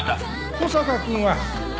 香坂君は？